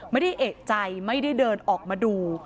ไม่ได้เอกใจไม่ได้เดินออกมาดู